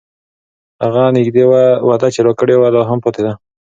هغه نږدې وعده چې چا راکړې وه، لا هم پاتې ده.